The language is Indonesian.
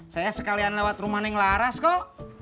saya sekalian lewat rumah yang laras kok